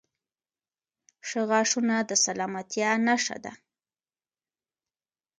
• ښه غاښونه د سلامتیا نښه ده.